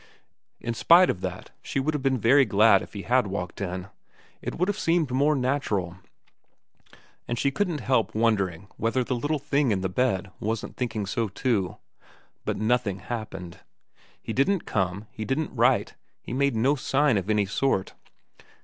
In spite of that, she would have been very glad if he had walked in, it would have seemed more natural ; and she couldn't help wondering whether the little thing in the bed wasn't thinking so too. But nothing happened. He didn't come, he didn't write, he made no sign of any sort.